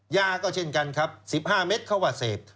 ยาก็เช่นกันครับ๑๕เม็ดเขาว่าเสพ